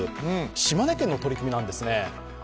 島根県の取り組みなんですね。